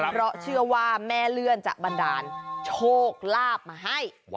เพราะเชื่อว่าแม่เลื่อนจะบันดาลโชคลาภมาให้